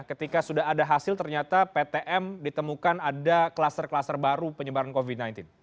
ketika sudah ada hasil ternyata ptm ditemukan ada kluster kluster baru penyebaran covid sembilan belas